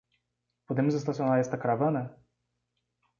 Podemos estacionar esta caravana?